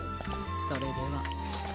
それでは。